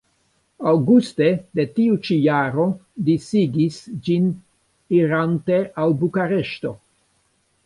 Aŭguste de tiu ĉi jaro disigis ĝin irante al Bukareŝto.